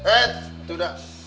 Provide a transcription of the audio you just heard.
eh itu udah